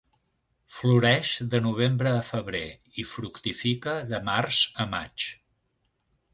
Floreix de novembre a febrer i fructifica de març a maig.